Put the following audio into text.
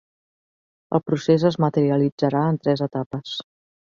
El procés es materialitzarà en tres etapes.